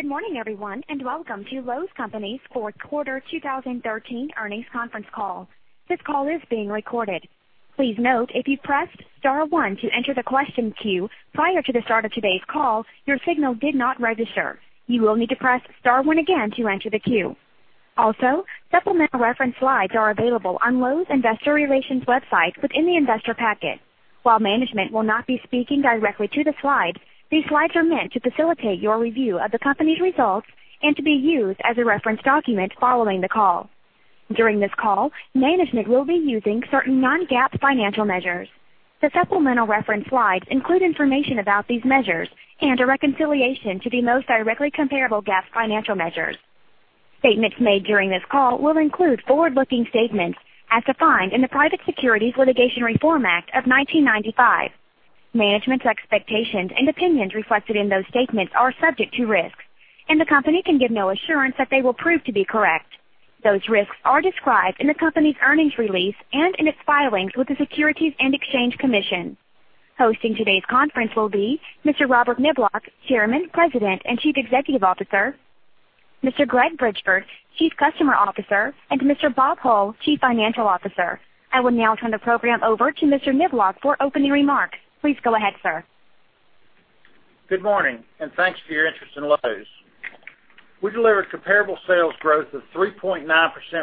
Good morning, everyone, and welcome to Lowe's Companies fourth quarter 2013 Earnings Conference Call. This call is being recorded. Please note, if you pressed star one to enter the question queue prior to the start of today’s call, your signal did not register. You will need to press star one again to enter the queue. Also, supplemental reference slides are available on Lowe's Investor Relations website within the investor packet. While management will not be speaking directly to the slides, these slides are meant to facilitate your review of the company’s results and to be used as a reference document following the call. During this call, management will be using certain non-GAAP financial measures. The supplemental reference slides include information about these measures and a reconciliation to the most directly comparable GAAP financial measures. Statements made during this call will include forward-looking statements as defined in the Private Securities Litigation Reform Act of 1995. Management’s expectations and opinions reflected in those statements are subject to risks, and the company can give no assurance that they will prove to be correct. Those risks are described in the company’s earnings release and in its filings with the Securities and Exchange Commission. Hosting today’s conference will be Mr. Robert Niblock, Chairman, President, and Chief Executive Officer, Mr. Greg Bridgeford, Chief Customer Officer, and Mr. Bob Hull, Chief Financial Officer. I will now turn the program over to Mr. Niblock for opening remarks. Please go ahead, sir. Good morning, and thanks for your interest in Lowe's. We delivered comparable sales growth of 3.9%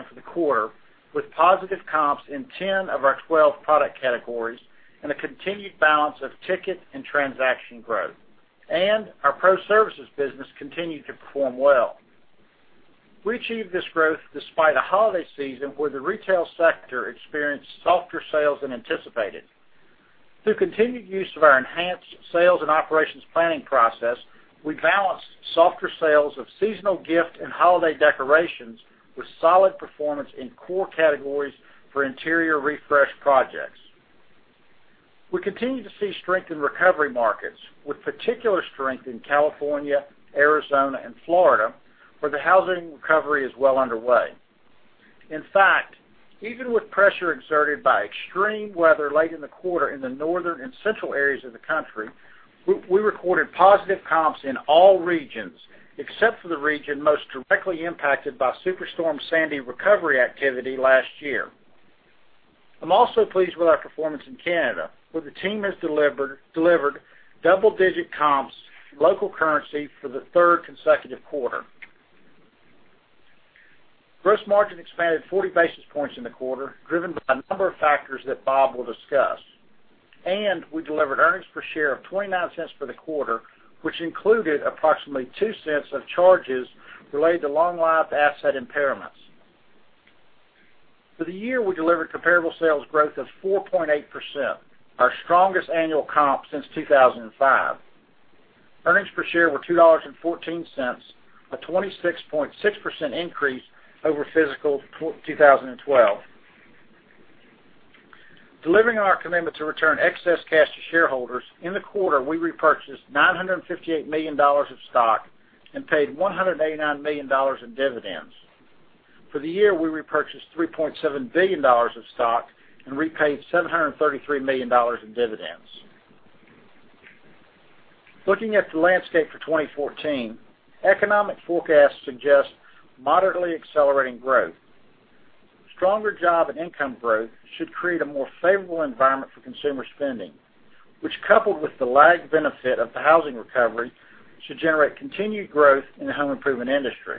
for the quarter, with positive comps in 10 of our 12 product categories and a continued balance of ticket and transaction growth. Our pro services business continued to perform well. We achieved this growth despite a holiday season where the retail sector experienced softer sales than anticipated. Through continued use of our enhanced sales and operations planning process, we balanced softer sales of seasonal gift and holiday decorations with solid performance in core categories for interior refresh projects. We continue to see strength in recovery markets, with particular strength in California, Arizona, and Florida, where the housing recovery is well underway. In fact, even with pressure exerted by extreme weather late in the quarter in the northern and central areas of the country, we recorded positive comps in all regions except for the region most directly impacted by Superstorm Sandy recovery activity last year. I’m also pleased with our performance in Canada, where the team has delivered double-digit comps local currency for the third consecutive quarter. Gross margin expanded 40 basis points in the quarter, driven by a number of factors that Bob will discuss. We delivered earnings per share of $0.29 for the quarter, which included approximately $0.02 of charges related to long-life asset impairments. For the year, we delivered comparable sales growth of 4.8%, our strongest annual comp since 2005. Earnings per share were $2.14, a 26.6% increase over fiscal 2012. Delivering on our commitment to return excess cash to shareholders, in the quarter, we repurchased $958 million of stock and paid $189 million in dividends. For the year, we repurchased $3.7 billion of stock and repaid $733 million in dividends. Looking at the landscape for 2014, economic forecasts suggest moderately accelerating growth. Stronger job and income growth should create a more favorable environment for consumer spending, which, coupled with the lagged benefit of the housing recovery, should generate continued growth in the home improvement industry.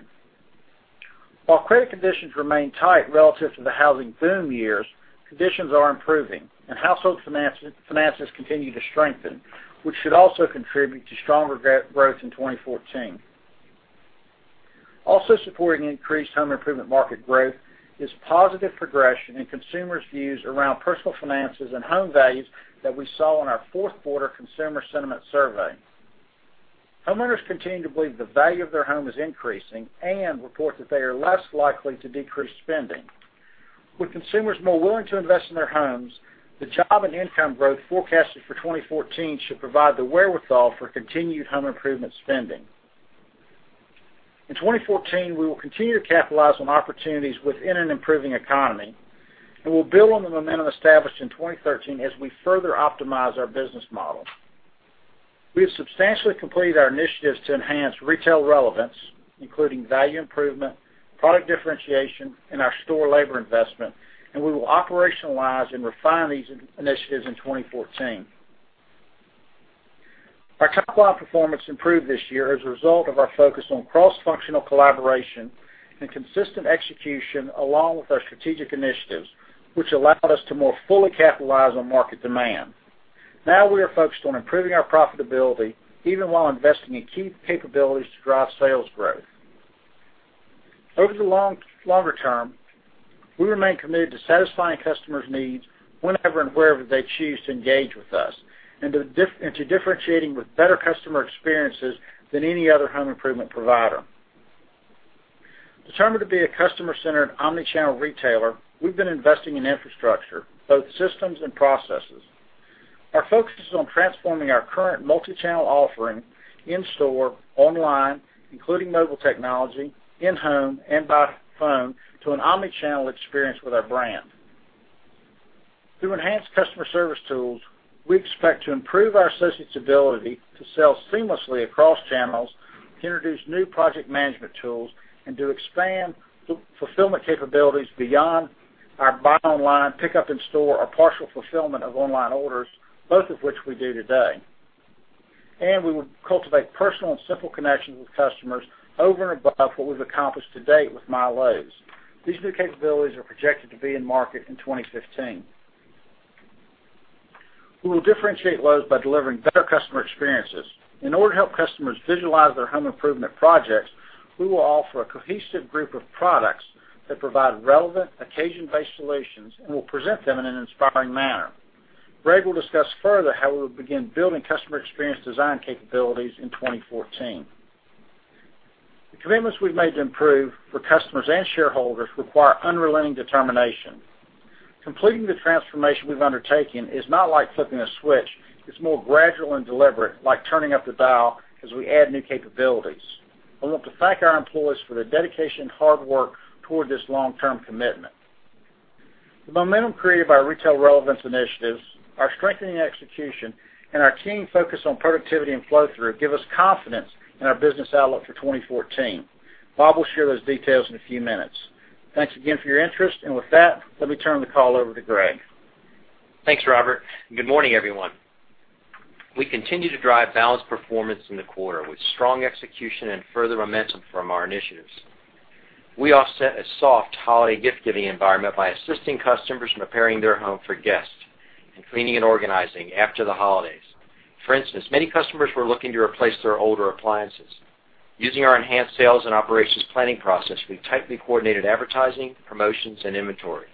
While credit conditions remain tight relative to the housing boom years, conditions are improving and household finances continue to strengthen, which should also contribute to stronger growth in 2014. Also supporting increased home improvement market growth is positive progression in consumers’ views around personal finances and home values that we saw in our fourth quarter Consumer Sentiment Survey. Homeowners continue to believe the value of their home is increasing and report that they are less likely to decrease spending. With consumers more willing to invest in their homes, the job and income growth forecasted for 2014 should provide the wherewithal for continued home improvement spending. In 2014, we will continue to capitalize on opportunities within an improving economy, and we’ll build on the momentum established in 2013 as we further optimize our business model. We have substantially completed our initiatives to enhance retail relevance, including value improvement, product differentiation in our store labor investment, and we will operationalize and refine these initiatives in 2014. Our top-line performance improved this year as a result of our focus on cross-functional collaboration and consistent execution along with our strategic initiatives, which allowed us to more fully capitalize on market demand. Now we are focused on improving our profitability, even while investing in key capabilities to drive sales growth. Over the longer term, we remain committed to satisfying customers’ needs whenever and wherever they choose to engage with us and to differentiating with better customer experiences than any other home improvement provider. Determined to be a customer-centered omnichannel retailer, we’ve been investing in infrastructure, both systems and processes. Our focus is on transforming our current multichannel offering in store, online, including mobile technology, in-home, and by phone to an omnichannel experience with our brand. Through enhanced customer service tools, we expect to improve our associates' ability to sell seamlessly across channels, to introduce new project management tools, and to expand fulfillment capabilities beyond our buy online, pickup in-store, or partial fulfillment of online orders, both of which we do today. We will cultivate personal and simple connections with customers over and above what we've accomplished to date with MyLowe's. These new capabilities are projected to be in market in 2015. We will differentiate Lowe's by delivering better customer experiences. In order to help customers visualize their home improvement projects, we will offer a cohesive group of products that provide relevant, occasion-based solutions, and we'll present them in an inspiring manner. Greg will discuss further how we will begin building customer experience design capabilities in 2014. The commitments we've made to improve for customers and shareholders require unrelenting determination. Completing the transformation we've undertaken is not like flipping a switch. It's more gradual and deliberate, like turning up the dial as we add new capabilities. I want to thank our employees for their dedication and hard work toward this long-term commitment. The momentum created by our retail relevance initiatives, our strengthening execution, and our keen focus on productivity and flow-through give us confidence in our business outlook for 2014. Bob will share those details in a few minutes. Thanks again for your interest. With that, let me turn the call over to Greg. Thanks, Robert, good morning, everyone. We continue to drive balanced performance in the quarter with strong execution and further momentum from our initiatives. We offset a soft holiday gift-giving environment by assisting customers in preparing their home for guests and cleaning and organizing after the holidays. For instance, many customers were looking to replace their older appliances. Using our enhanced sales and operations planning process, we tightly coordinated advertising, promotions, and inventory.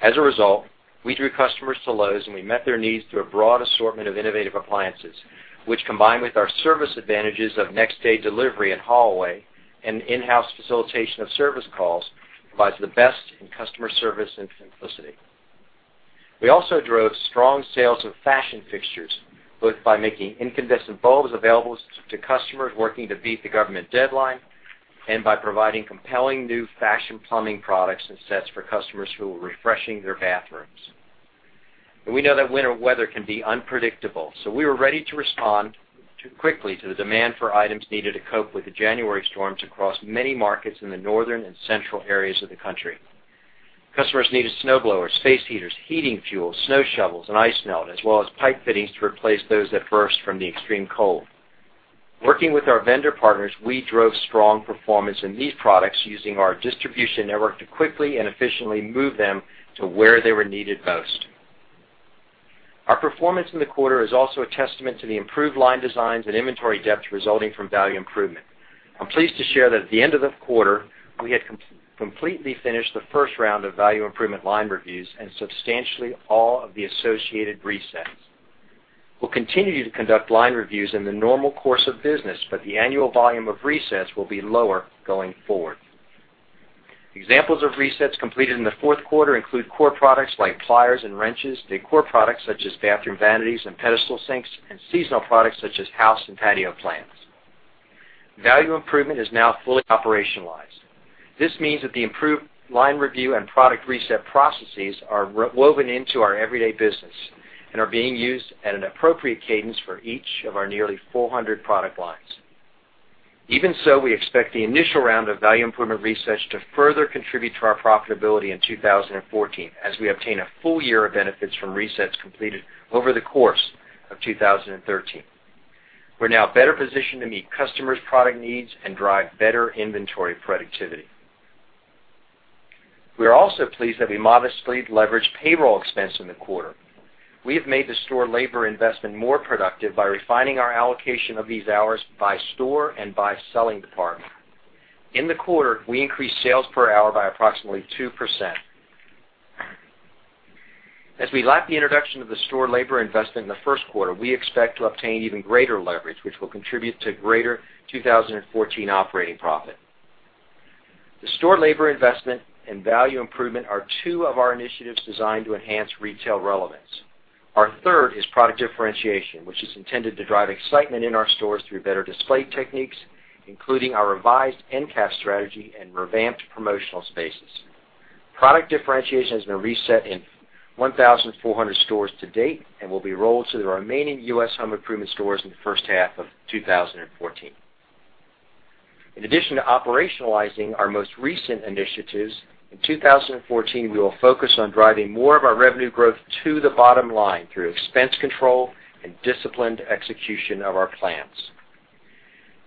As a result, we drew customers to Lowe's, and we met their needs through a broad assortment of innovative appliances, which, combined with our service advantages of next-day delivery and haul away and in-house facilitation of service calls, provides the best in customer service and simplicity. We also drove strong sales of fashion fixtures, both by making incandescent bulbs available to customers working to beat the government deadline and by providing compelling new fashion plumbing products and sets for customers who were refreshing their bathrooms. We know that winter weather can be unpredictable, we were ready to respond quickly to the demand for items needed to cope with the January storms across many markets in the northern and central areas of the country. Customers needed snow blowers, space heaters, heating fuel, snow shovels, and ice melt, as well as pipe fittings to replace those that burst from the extreme cold. Working with our vendor partners, we drove strong performance in these products using our distribution network to quickly and efficiently move them to where they were needed most. Our performance in the quarter is also a testament to the improved line designs and inventory depth resulting from value improvement. I'm pleased to share that at the end of the quarter, we had completely finished the first round of value improvement line reviews and substantially all of the associated resets. We'll continue to conduct line reviews in the normal course of business, the annual volume of resets will be lower going forward. Examples of resets completed in the fourth quarter include core products like pliers and wrenches, decor products such as bathroom vanities and pedestal sinks, and seasonal products such as house and patio plants. Value improvement is now fully operationalized. This means that the improved line review and product reset processes are woven into our everyday business and are being used at an appropriate cadence for each of our nearly 400 product lines. Even so, we expect the initial round of Value Improvement resets to further contribute to our profitability in 2014 as we obtain a full year of benefits from resets completed over the course of 2013. We're now better positioned to meet customers' product needs and drive better inventory productivity. We are also pleased that we modestly leveraged payroll expense in the quarter. We have made the Store Labor Investment more productive by refining our allocation of these hours by store and by selling department. In the quarter, we increased sales per hour by approximately 2%. As we lap the introduction of the Store Labor Investment in the first quarter, we expect to obtain even greater leverage, which will contribute to greater 2014 operating profit. The Store Labor Investment and Value Improvement are two of our initiatives designed to enhance retail relevance. Our third is Product Differentiation, which is intended to drive excitement in our stores through better display techniques, including our revised endcap strategy and revamped promotional spaces. Product Differentiation has been reset in 1,400 stores to date and will be rolled to the remaining U.S. home improvement stores in the first half of 2014. In addition to operationalizing our most recent initiatives, in 2014, we will focus on driving more of our revenue growth to the bottom line through expense control and disciplined execution of our plans.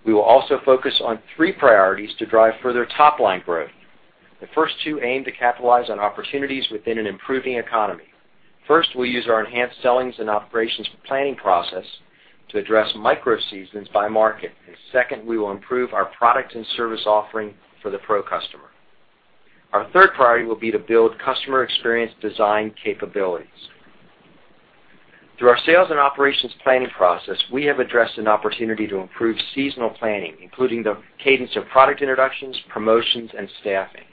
We will also focus on three priorities to drive further top-line growth. The first two aim to capitalize on opportunities within an improving economy. First, we'll use our enhanced sales and operations planning process to address micro-seasons by market. Second, we will improve our product and service offering for the pro customer. Our third priority will be to build Customer Experience Design capabilities. Through our sales and operations planning process, we have addressed an opportunity to improve seasonal planning, including the cadence of product introductions, promotions, and staffing.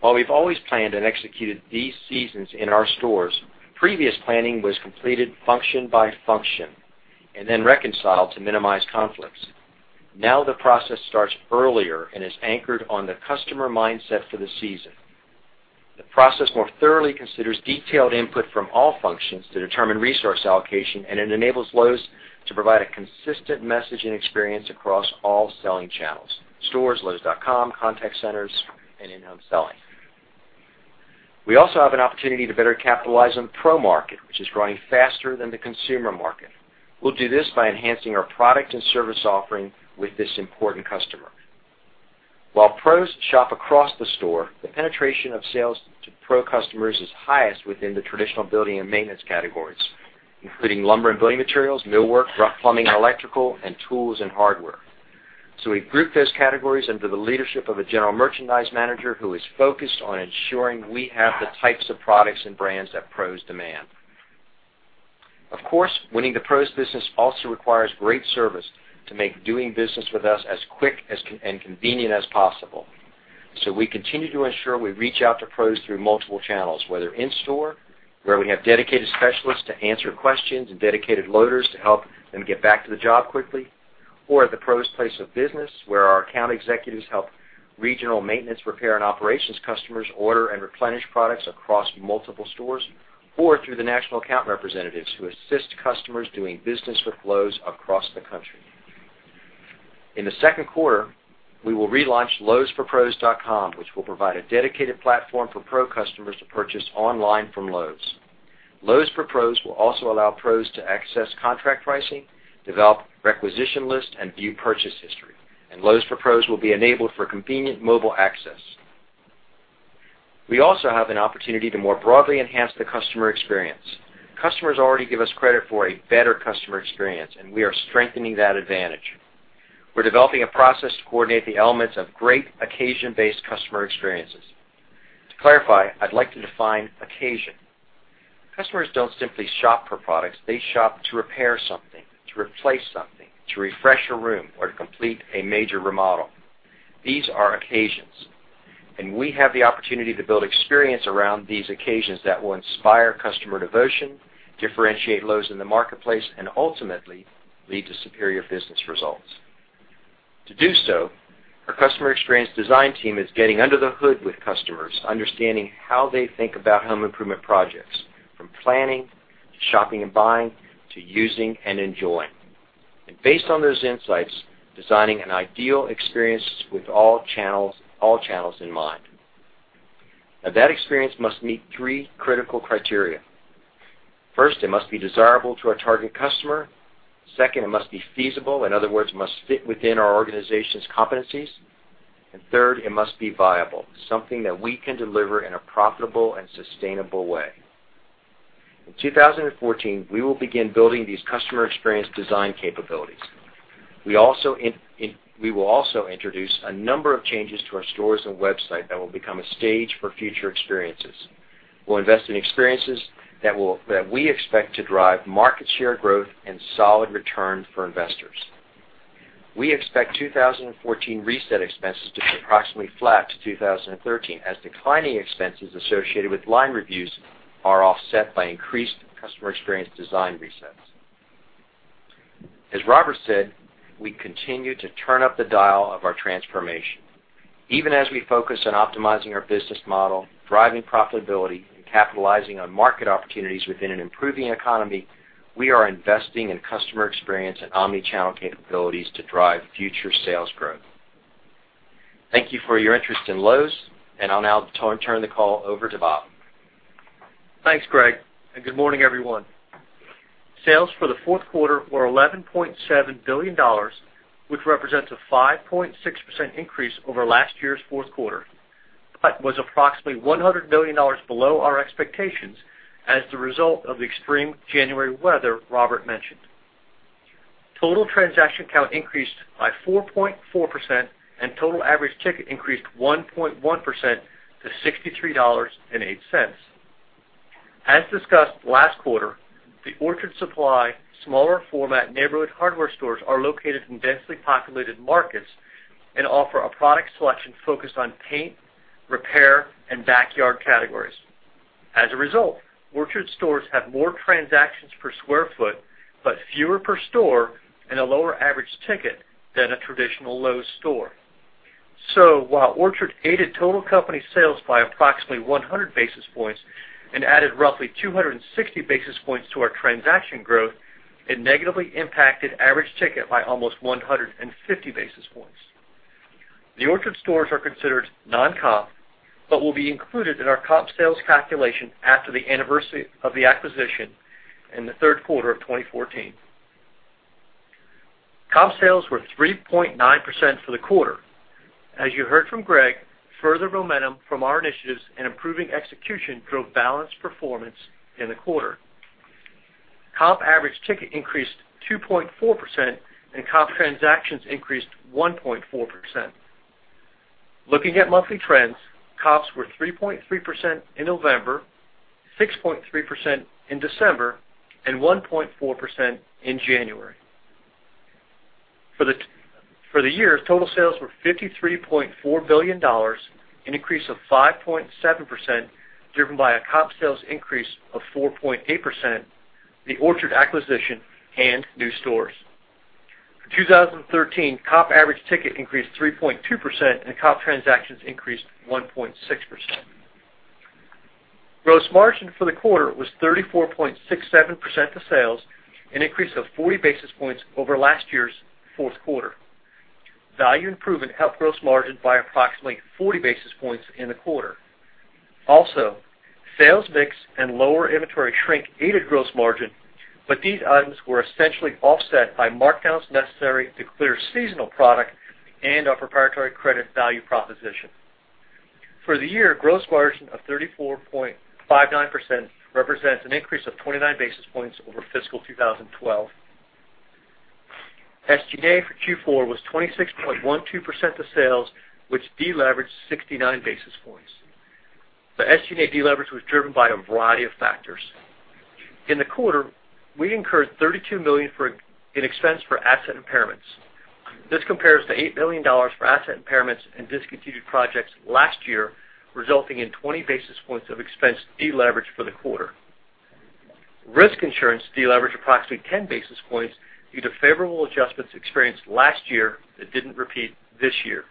While we've always planned and executed these seasons in our stores, previous planning was completed function by function and then reconciled to minimize conflicts. Now the process starts earlier and is anchored on the customer mindset for the season. The process more thoroughly considers detailed input from all functions to determine resource allocation, and it enables Lowe's to provide a consistent message and experience across all selling channels, stores, lowes.com, contact centers, and in-home selling. We also have an opportunity to better capitalize on the pro market, which is growing faster than the consumer market. We'll do this by enhancing our product and service offering with this important customer. While pros shop across the store, the penetration of sales to pro customers is highest within the traditional building and maintenance categories, including lumber and building materials, millwork, rough plumbing and electrical, and tools and hardware. We've grouped those categories under the leadership of a General Merchandise Manager who is focused on ensuring we have the types of products and brands that pros demand. Of course, winning the pros business also requires great service to make doing business with us as quick and convenient as possible. We continue to ensure we reach out to pros through multiple channels, whether in-store, where we have dedicated specialists to answer questions and dedicated loaders to help them get back to the job quickly, or at the pros place of business, where our account executives help regional maintenance, repair, and operations customers order and replenish products across multiple stores, or through the national account representatives who assist customers doing business with Lowe's across the country. In the second quarter, we will relaunch lowesforpros.com, which will provide a dedicated platform for pro customers to purchase online from Lowe's. Lowe's for Pros will also allow pros to access contract pricing, develop requisition lists, and view purchase history. Lowe's for Pros will be enabled for convenient mobile access. We also have an opportunity to more broadly enhance the customer experience. Customers already give us credit for a better customer experience, we are strengthening that advantage. We're developing a process to coordinate the elements of great occasion-based customer experiences. To clarify, I'd like to define occasion. Customers don't simply shop for products. They shop to repair something, to replace something, to refresh a room, or to complete a major remodel. These are occasions, we have the opportunity to build experience around these occasions that will inspire customer devotion, differentiate Lowe's in the marketplace, and ultimately lead to superior business results. To do so, our customer experience design team is getting under the hood with customers, understanding how they think about home improvement projects, from planning to shopping and buying to using and enjoying. Based on those insights, designing an ideal experience with all channels in mind. That experience must meet three critical criteria. First, it must be desirable to our target customer. Second, it must be feasible, in other words, must fit within our organization's competencies. Third, it must be viable, something that we can deliver in a profitable and sustainable way. In 2014, we will begin building these customer experience design capabilities. We will also introduce a number of changes to our stores and website that will become a stage for future experiences. We'll invest in experiences that we expect to drive market share growth and solid return for investors. We expect 2014 reset expenses to be approximately flat to 2013, as declining expenses associated with line reviews are offset by increased customer experience design resets. As Robert said, we continue to turn up the dial of our transformation. Even as we focus on optimizing our business model, driving profitability, and capitalizing on market opportunities within an improving economy, we are investing in customer experience and omni-channel capabilities to drive future sales growth. Thank you for your interest in Lowe's, I'll now turn the call over to Bob. Thanks, Greg, and good morning, everyone. Sales for the fourth quarter were $11.7 billion, which represents a 5.6% increase over last year's fourth quarter, but was approximately $100 million below our expectations as the result of the extreme January weather Robert mentioned. Total transaction count increased by 4.4%, and total average ticket increased 1.1% to $63.08. As discussed last quarter, the Orchard Supply smaller format neighborhood hardware stores are located in densely populated markets and offer a product selection focused on paint, repair, and backyard categories. As a result, Orchard stores have more transactions per square foot, but fewer per store and a lower average ticket than a traditional Lowe's store. While Orchard aided total company sales by approximately 100 basis points and added roughly 260 basis points to our transaction growth, it negatively impacted average ticket by almost 150 basis points. The Orchard stores are considered non-comp, but will be included in our comp sales calculation after the anniversary of the acquisition in the third quarter of 2014. Comp sales were 3.9% for the quarter. As you heard from Greg, further momentum from our initiatives and improving execution drove balanced performance in the quarter. Comp average ticket increased 2.4%, and comp transactions increased 1.4%. Looking at monthly trends, comps were 3.3% in November, 6.3% in December, and 1.4% in January. For the year, total sales were $53.4 billion, an increase of 5.7%, driven by a comp sales increase of 4.8%. The Orchard acquisition and new stores. For 2013, comp average ticket increased 3.2%, and comp transactions increased 1.6%. Gross margin for the quarter was 34.67% of sales, an increase of 40 basis points over last year's fourth quarter. Value improvement helped gross margin by approximately 40 basis points in the quarter. Sales mix and lower inventory shrink aided gross margin, but these items were essentially offset by markdowns necessary to clear seasonal product and our proprietary credit value proposition. For the year, gross margin of 34.59% represents an increase of 29 basis points over fiscal 2012. SG&A for Q4 was 26.12% of sales, which deleveraged 69 basis points. The SG&A deleverage was driven by a variety of factors. In the quarter, we incurred $32 million in expense for asset impairments. This compares to $8 million for asset impairments and discontinued projects last year, resulting in 20 basis points of expense deleverage for the quarter. Risk insurance deleveraged approximately 10 basis points due to favorable adjustments experienced last year that didn't repeat this year.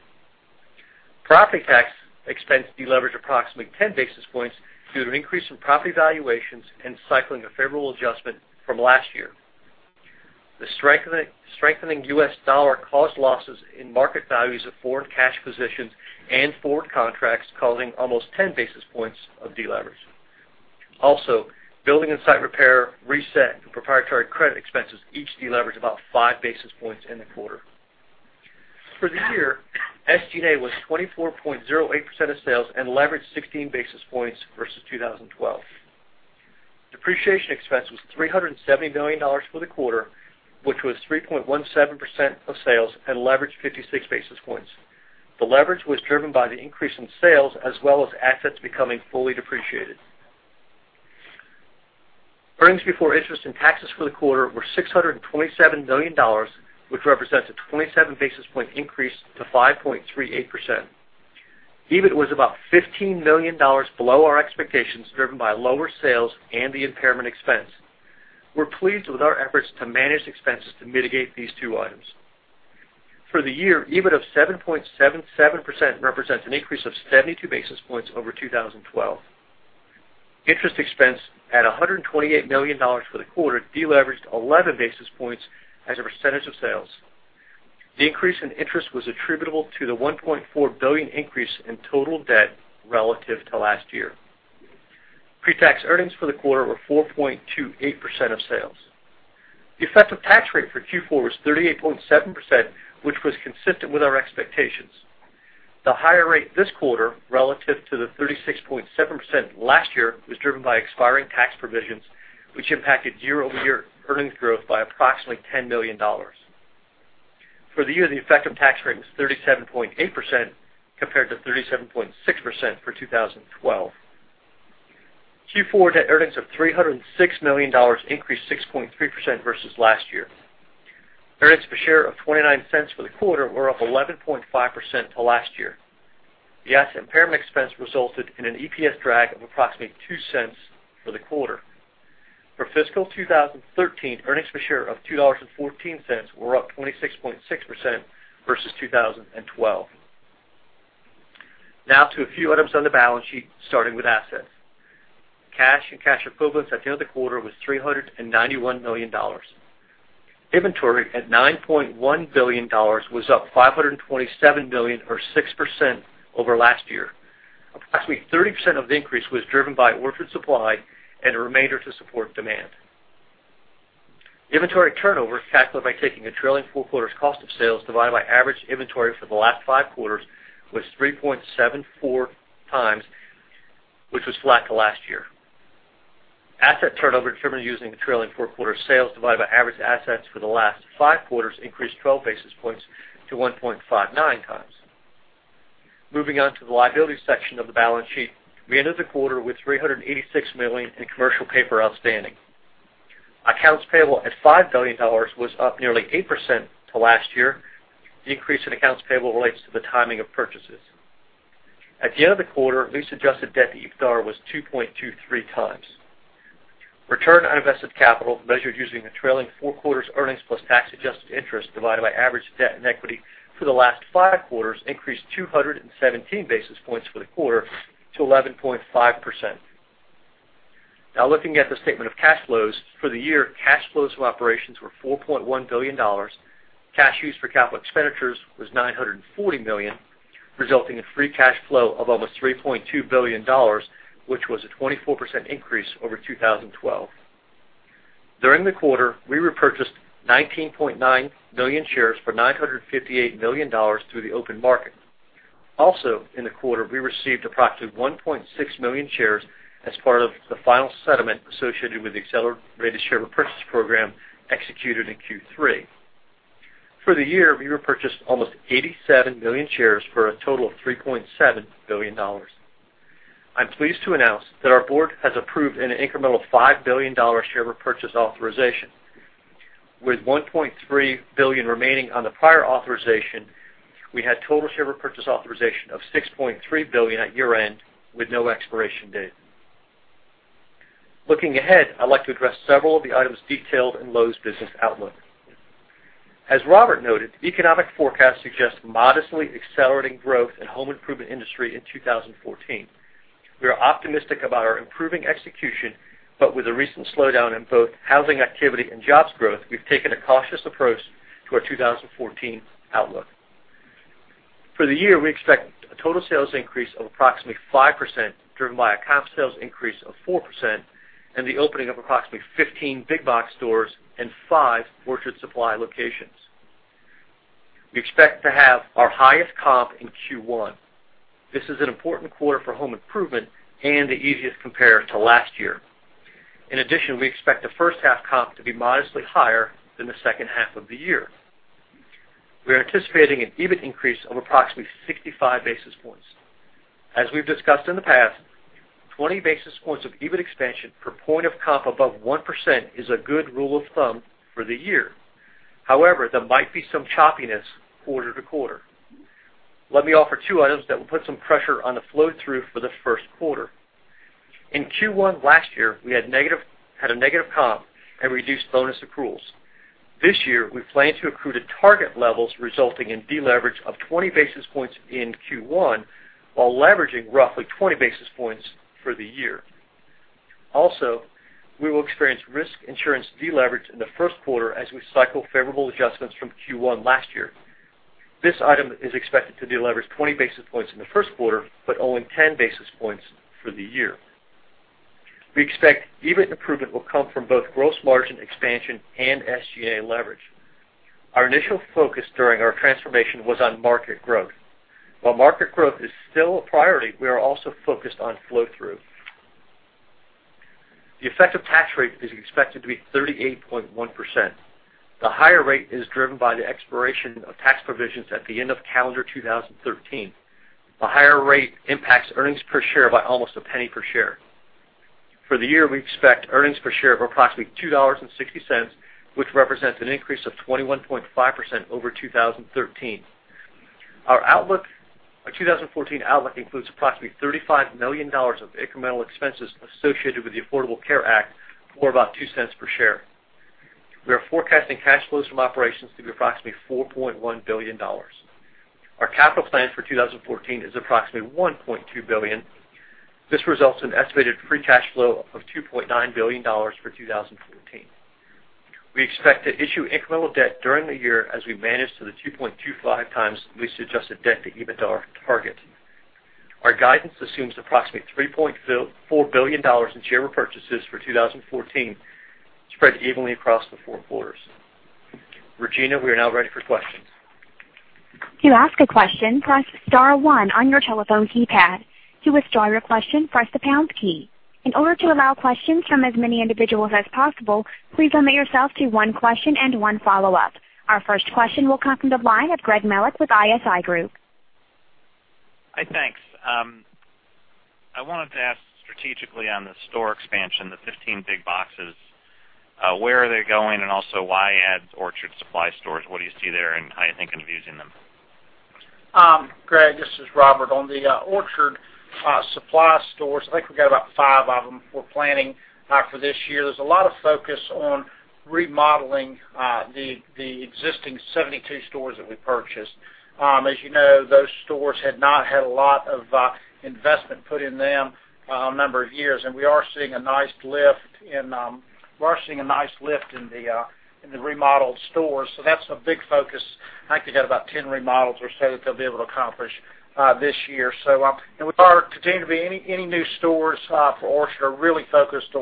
Property tax expense deleveraged approximately 10 basis points due to an increase in property valuations and cycling a favorable adjustment from last year. The strengthening U.S. dollar caused losses in market values of forward cash positions and forward contracts, causing almost 10 basis points of deleverage. Building and site repair, reset, and proprietary credit expenses each deleveraged about five basis points in the quarter. For the year, SG&A was 24.08% of sales and leveraged 16 basis points versus 2012. Depreciation expense was $370 million for the quarter, which was 3.17% of sales and leveraged 56 basis points. The leverage was driven by the increase in sales as well as assets becoming fully depreciated. Earnings before interest and taxes for the quarter were $627 million, which represents a 27 basis point increase to 5.38%. EBIT was about $15 million below our expectations, driven by lower sales and the impairment expense. We're pleased with our efforts to manage expenses to mitigate these two items. For the year, EBIT of 7.77% represents an increase of 72 basis points over 2012. Interest expense at $128 million for the quarter deleveraged 11 basis points as a percentage of sales. The increase in interest was attributable to the $1.4 billion increase in total debt relative to last year. Pre-tax earnings for the quarter were 4.28% of sales. The effective tax rate for Q4 was 38.7%, which was consistent with our expectations. The higher rate this quarter relative to the 36.7% last year was driven by expiring tax provisions, which impacted year-over-year earnings growth by approximately $10 million. For the year, the effective tax rate was 37.8%, compared to 37.6% for 2012. Q4 net earnings of $306 million increased 6.3% versus last year. Earnings per share of $0.29 for the quarter were up 11.5% to last year. The asset impairment expense resulted in an EPS drag of approximately $0.02 for the quarter. For fiscal 2013, earnings per share of $2.14 were up 26.6% versus 2012. Now to a few items on the balance sheet, starting with assets. Cash and cash equivalents at the end of the quarter was $391 million. Inventory at $9.1 billion was up $527 million or 6% over last year. Approximately 30% of the increase was driven by Orchard Supply and the remainder to support demand. Inventory turnover, calculated by taking the trailing four quarters' cost of sales divided by average inventory for the last five quarters, was 3.74 times, which was flat to last year. Asset turnover determined using the trailing four quarters' sales divided by average assets for the last five quarters increased 12 basis points to 1.59 times. Moving on to the liabilities section of the balance sheet. We ended the quarter with $386 million in commercial paper outstanding. Accounts payable at $5 billion was up nearly 8% to last year. The increase in accounts payable relates to the timing of purchases. At the end of the quarter, lease-adjusted debt to EBITDA was 2.23 times. Return on invested capital, measured using the trailing four quarters' earnings plus tax-adjusted interest divided by average debt and equity for the last five quarters, increased 217 basis points for the quarter to 11.5%. Now looking at the statement of cash flows. For the year, cash flows from operations were $4.1 billion. Cash used for capital expenditures was $940 million, resulting in free cash flow of almost $3.2 billion, which was a 24% increase over 2012. During the quarter, we repurchased 19.9 million shares for $958 million through the open market. In the quarter, we received approximately 1.6 million shares as part of the final settlement associated with the accelerated share repurchase program executed in Q3. For the year, we repurchased almost 87 million shares for a total of $3.7 billion. I'm pleased to announce that our board has approved an incremental $5 billion share repurchase authorization. With $1.3 billion remaining on the prior authorization, we had total share repurchase authorization of $6.3 billion at year-end with no expiration date. Looking ahead, I'd like to address several of the items detailed in Lowe's business outlook. As Robert noted, the economic forecast suggests modestly accelerating growth in home improvement industry in 2014. We are optimistic about our improving execution, but with a recent slowdown in both housing activity and jobs growth, we've taken a cautious approach to our 2014 outlook. For the year, we expect a total sales increase of approximately 5%, driven by a comp sales increase of 4% and the opening of approximately 15 big box stores and five Orchard Supply locations. We expect to have our highest comp in Q1. This is an important quarter for home improvement and the easiest compare to last year. In addition, we expect the first half comp to be modestly higher than the second half of the year. We are anticipating an EBIT increase of approximately 65 basis points. As we've discussed in the past, 20 basis points of EBIT expansion per point of comp above 1% is a good rule of thumb for the year. However, there might be some choppiness quarter to quarter. Let me offer two items that will put some pressure on the flow-through for the first quarter. In Q1 last year, we had a negative comp and reduced bonus accruals. This year, we plan to accrue to target levels, resulting in deleverage of 20 basis points in Q1 while leveraging roughly 20 basis points for the year. We will experience risk insurance deleverage in the first quarter as we cycle favorable adjustments from Q1 last year. This item is expected to deleverage 20 basis points in the first quarter, but only 10 basis points for the year. We expect EBIT improvement will come from both gross margin expansion and SG&A leverage. Our initial focus during our transformation was on market growth. While market growth is still a priority, we are also focused on flow-through. The effective tax rate is expected to be 38.1%. The higher rate is driven by the expiration of tax provisions at the end of calendar 2013. The higher rate impacts earnings per share by almost $0.01 per share. For the year, we expect earnings per share of approximately $2.60, which represents an increase of 21.5% over 2013. Our 2014 outlook includes approximately $35 million of incremental expenses associated with the Affordable Care Act, or about $0.02 per share. We are forecasting cash flows from operations to be approximately $4.1 billion. Our capital plan for 2014 is approximately $1.2 billion. This results in an estimated free cash flow of $2.9 billion for 2014. We expect to issue incremental debt during the year as we manage to the 2.25 times lease-adjusted debt to EBITDA target. Our guidance assumes approximately $3.4 billion in share repurchases for 2014, spread evenly across the four quarters. Regina, we are now ready for questions. To ask a question, press *1 on your telephone keypad. To withdraw your question, press the # key. In order to allow questions from as many individuals as possible, please limit yourself to one question and one follow-up. Our first question will come from the line of Gregory Melich with ISI Group. Hi, thanks. I wanted to ask strategically on the store expansion, the 15 big boxes, where are they going? Why add Orchard Supply Hardware? What do you see there, and how are you thinking of using them? Greg, this is Robert. On the Orchard Supply Hardware, I think we got about five of them we're planning for this year. There's a lot of focus on remodeling the existing 72 stores that we purchased. As you know, those stores had not had a lot of investment put in them a number of years, and we are seeing a nice lift in the remodeled stores. That's a big focus. I think we got about 10 remodels or so that they'll be able to accomplish this year. We are continuing any new stores for Orchard are really focused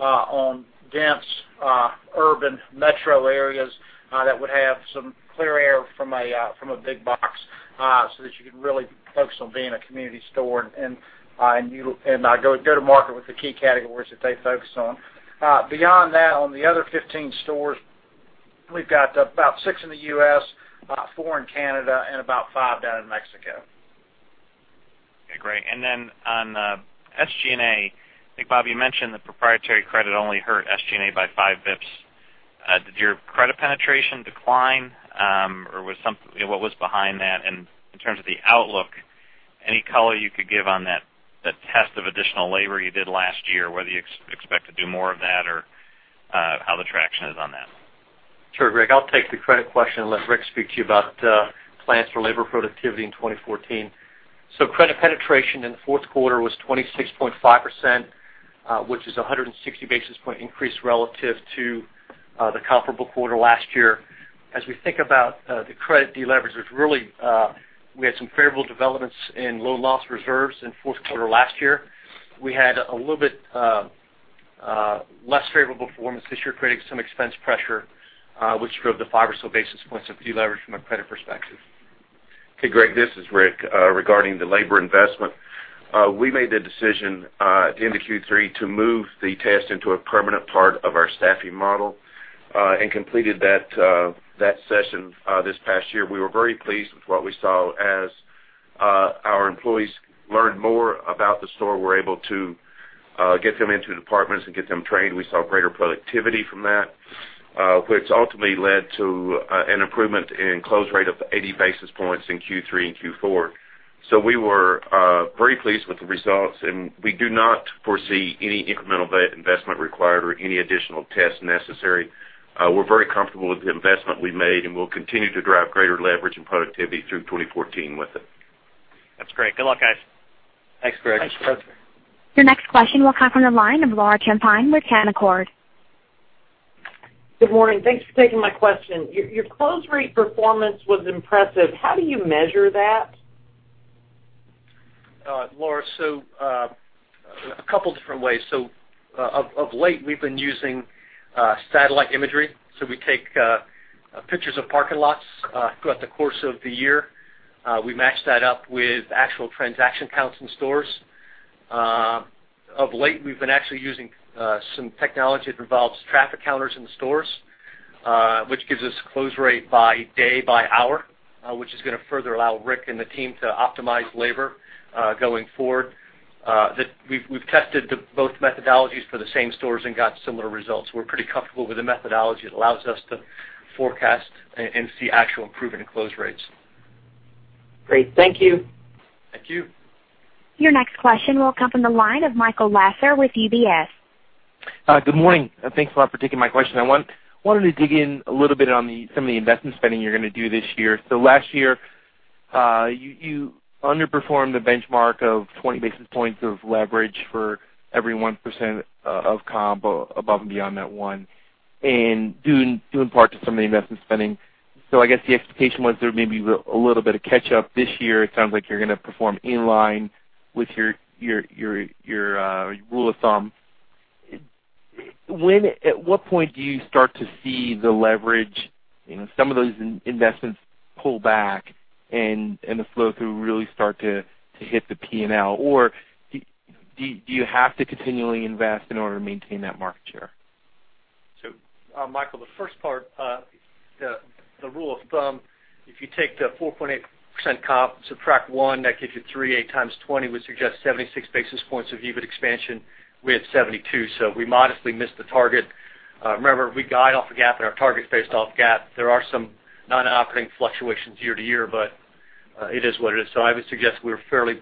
on dense urban metro areas that would have some clear air from a big box so that you can really focus on being a community store and go to market with the key categories that they focus on. Beyond that, on the other 15 stores, we've got about six in the U.S., four in Canada, and about five down in Mexico. Okay, great. On SG&A, I think, Bob, you mentioned the proprietary credit only hurt SG&A by five basis points. Did your credit penetration decline? What was behind that? In terms of the outlook, any color you could give on that test of additional labor you did last year, whether you expect to do more of that or how the traction is on that? Sure, Greg. I'll take the credit question and let Rick speak to you about plans for labor productivity in 2014. Credit penetration in the fourth quarter was 26.5%, which is a 160-basis point increase relative to the comparable quarter last year. As we think about the credit deleverage, which really, we had some favorable developments in loan loss reserves in fourth quarter last year. We had a little bit less favorable performance this year, creating some expense pressure, which drove the five or so basis points of deleverage from a credit perspective. Okay, Greg, this is Rick. Regarding the labor investment, we made the decision at the end of Q3 to move the test into a permanent part of our staffing model and completed that session this past year. We were very pleased with what we saw as Our employees learned more about the store. We're able to get them into departments and get them trained. We saw greater productivity from that, which ultimately led to an improvement in close rate of 80 basis points in Q3 and Q4. We were very pleased with the results, and we do not foresee any incremental investment required or any additional tests necessary. We're very comfortable with the investment we made, and we'll continue to drive greater leverage and productivity through 2014 with it. That's great. Good luck, guys. Thanks, Greg. Thanks, Greg. Your next question will come from the line of Laura Champine with Canaccord. Good morning. Thanks for taking my question. Your close rate performance was impressive. How do you measure that? Laura, a couple different ways. Of late, we've been using satellite imagery. We take pictures of parking lots throughout the course of the year. We match that up with actual transaction counts in stores. Of late, we've been actually using some technology that involves traffic counters in the stores, which gives us close rate by day, by hour, which is going to further allow Rick and the team to optimize labor, going forward. We've tested both methodologies for the same stores and got similar results. We're pretty comfortable with the methodology. It allows us to forecast and see actual improvement in close rates. Great. Thank you. Thank you. Your next question will come from the line of Michael Lasser with UBS. Good morning. Thanks a lot for taking my question. I wanted to dig in a little bit on some of the investment spending you're going to do this year. Last year, you underperformed the benchmark of 20 basis points of leverage for every 1% of comp above and beyond that one, and due in part to some of the investment spending. I guess the expectation was there may be a little bit of catch-up this year. It sounds like you're going to perform in line with your rule of thumb. At what point do you start to see the leverage, some of those investments pull back and the flow-through really start to hit the P&L? Or do you have to continually invest in order to maintain that market share? Michael, the first part, the rule of thumb, if you take the 4.8% comp, subtract one, that gives you 3.8 times 20 would suggest 76 basis points of EBIT expansion. We had 72. We modestly missed the target. Remember, we guide off of GAAP and our target is based off GAAP. There are some non-operating fluctuations year-to-year, but it is what it is. I would suggest we're fairly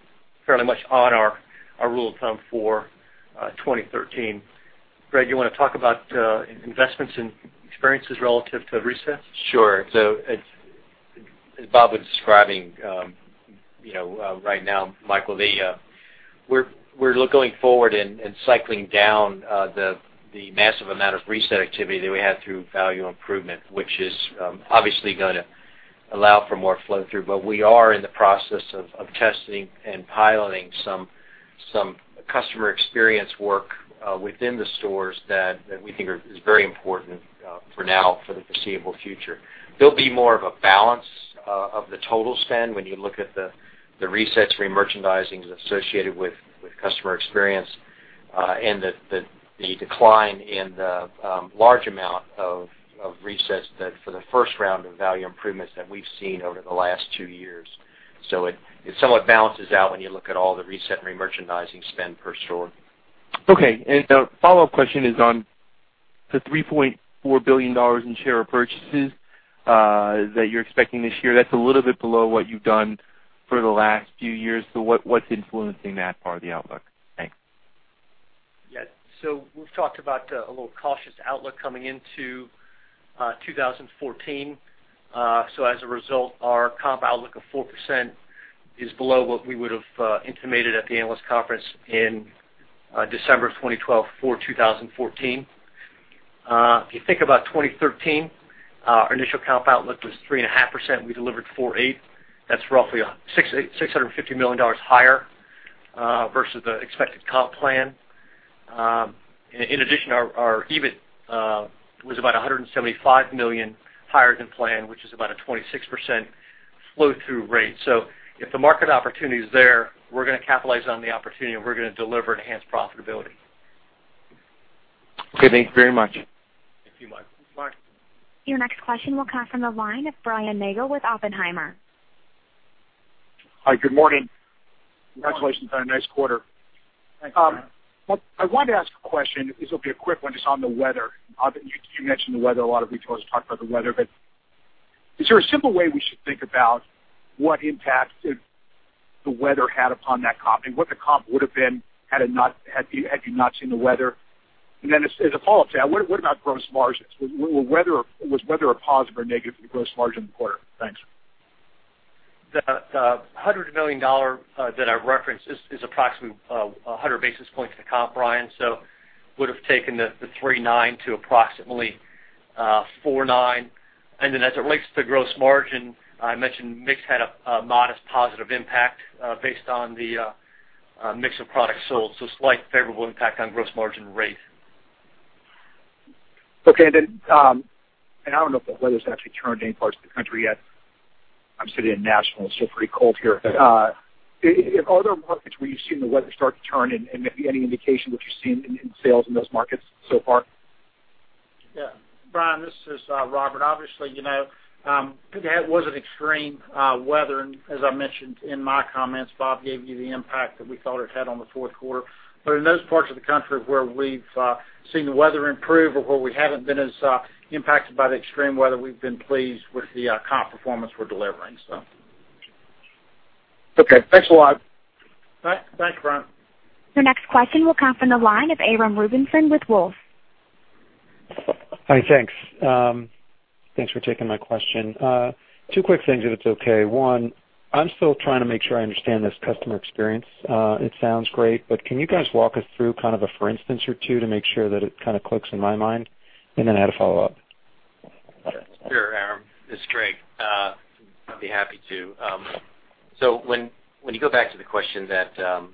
much on our rule of thumb for 2013. Greg, you want to talk about investments and experiences relative to reset? Sure. As Bob was describing, right now, Michael, we're going forward and cycling down the massive amount of reset activity that we had through value improvement, which is obviously going to allow for more flow-through. We are in the process of testing and piloting some customer experience work within the stores that we think is very important for now, for the foreseeable future. There'll be more of a balance of the total spend when you look at the resets, remerchandising associated with customer experience, and the decline in the large amount of resets that for the first round of value improvements that we've seen over the last two years. It somewhat balances out when you look at all the reset and remerchandising spend per store. Okay. The follow-up question is on the $3.4 billion in share purchases that you're expecting this year. That's a little bit below what you've done for the last few years. What's influencing that part of the outlook? Thanks. Yeah. We've talked about a little cautious outlook coming into 2014. As a result, our comp outlook of 4% is below what we would have intimated at the analyst conference in December of 2012 for 2014. If you think about 2013, our initial comp outlook was 3.5%. We delivered 4.8%. That's roughly $650 million higher versus the expected comp plan. In addition, our EBIT was about $175 million higher than planned, which is about a 26% flow-through rate. If the market opportunity is there, we're going to capitalize on the opportunity, and we're going to deliver enhanced profitability. Okay. Thank you very much. Thank you, Michael. Bye. Your next question will come from the line of Brian Nagel with Oppenheimer. Hi, good morning. Congratulations on a nice quarter. Thanks, Brian. I wanted to ask a question. This will be a quick one, just on the weather. You mentioned the weather. A lot of retailers talked about the weather, is there a simple way we should think about what impact the weather had upon that comp and what the comp would have been had you not seen the weather? Then as a follow-up to that, what about gross margins? Was weather a positive or negative for the gross margin in the quarter? Thanks. The $100 million that I referenced is approximately 100 basis points to comp, Brian. Would have taken the 3.9% to approximately 4.9%. Then as it relates to gross margin, I mentioned mix had a modest positive impact based on the mix of products sold. Slight favorable impact on gross margin rate. Okay. I don't know if the weather's actually turned in any parts of the country yet. I'm sitting in Nashville, and it's still pretty cold here. Are there markets where you've seen the weather start to turn and maybe any indication what you're seeing in sales in those markets so far? Yeah. Brian, this is Robert. Obviously, that was an extreme weather, as I mentioned in my comments. Bob gave you the impact that we thought it had on the fourth quarter. In those parts of the country where we've seen the weather improve or where we haven't been as impacted by the extreme weather, we've been pleased with the comp performance we're delivering. Okay, thanks a lot. Thanks, Brian. Your next question will come from the line of Aram Rubinson with Wolfe Research. Hi, thanks. Thanks for taking my question. Two quick things, if it's okay. One, I'm still trying to make sure I understand this customer experience. It sounds great, but can you guys walk us through a for instance or two to make sure that it clicks in my mind? I had a follow-up. Sure, Aram. This is Greg. I'd be happy to. When you go back to the question that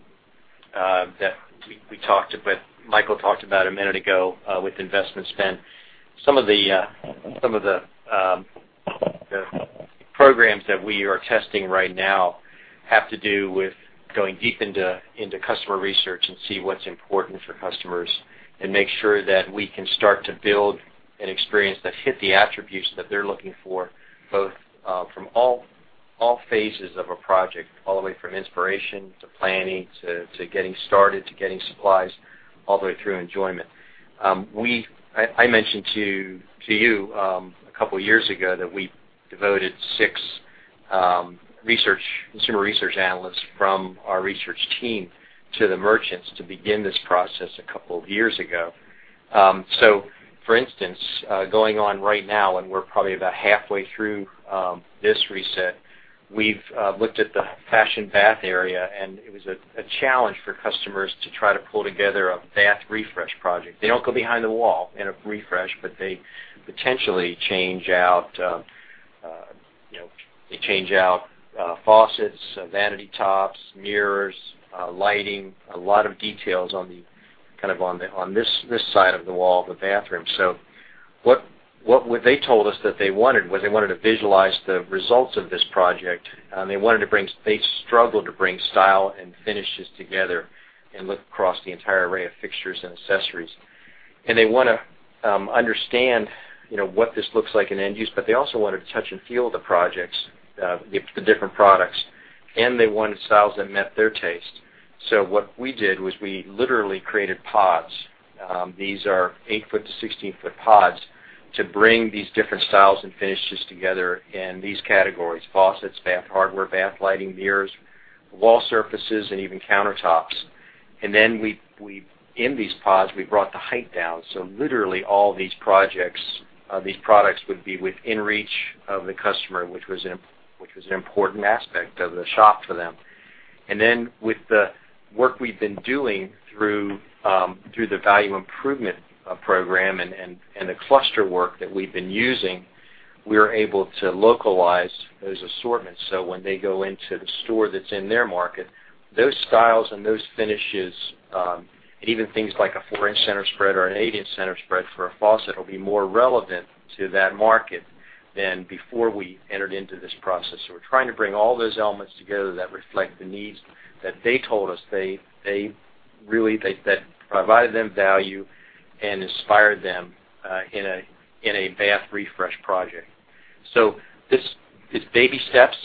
Michael talked about a minute ago, with investment spend. Some of the programs that we are testing right now have to do with going deep into customer research and see what's important for customers and make sure that we can start to build an experience that hit the attributes that they're looking for, both from all phases of a project, all the way from inspiration to planning, to getting started, to getting supplies, all the way through enjoyment. I mentioned to you, a couple of years ago that we devoted six consumer research analysts from our research team to the merchants to begin this process a couple of years ago. For instance, going on right now, and we're probably about halfway through this reset, we've looked at the fashion bath area, and it was a challenge for customers to try to pull together a bath refresh project. They don't go behind the wall in a refresh, but they potentially change out faucets, vanity tops, mirrors, lighting, a lot of details on this side of the wall of the bathroom. What they told us that they wanted was they wanted to visualize the results of this project. They struggled to bring style and finishes together and look across the entire array of fixtures and accessories. They want to understand what this looks like in end use, but they also wanted to touch and feel the projects, the different products, and they wanted styles that met their taste. What we did was we literally created pods. These are 8-foot to 16-foot pods to bring these different styles and finishes together in these categories: faucets, bath hardware, bath lighting, mirrors, wall surfaces, and even countertops. In these pods, we brought the height down. Literally all these products would be within reach of the customer, which was an important aspect of the shop for them. With the work we've been doing through the Value Improvement Program and the cluster work that we've been using, we are able to localize those assortments. When they go into the store that's in their market, those styles and those finishes, even things like a 4-inch center spread or an 8-inch center spread for a faucet, will be more relevant to that market than before we entered into this process. We're trying to bring all those elements together that reflect the needs that they told us that provided them value and inspired them in a bath refresh project. This is baby steps